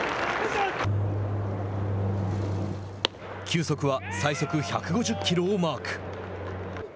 球速は最速１５０キロをマーク。